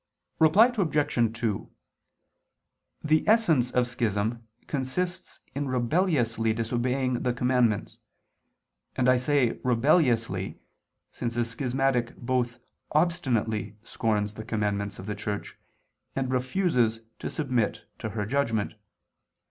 Reply Obj. 2: The essence of schism consists in rebelliously disobeying the commandments: and I say "rebelliously," since a schismatic both obstinately scorns the commandments of the Church, and refuses to submit to her judgment.